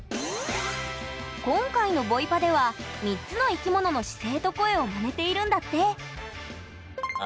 今回のボイパでは３つの生き物の姿勢と声をまねているんだって